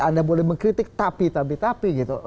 anda boleh mengkritik tapi tapi tapi